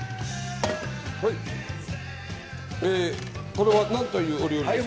これは何というお料理ですか？